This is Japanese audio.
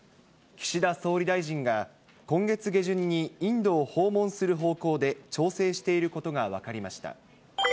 岸田総理大臣が、今月下旬にインドを訪問する方向で調整していることが分かりました。